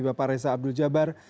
bapak reza abdul jabar